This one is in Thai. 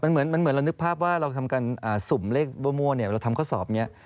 เหมือนเรานึกภาพว่าเราทำการสุ่มเลขมั่วเนี่ยเราทำข้อสอบนี้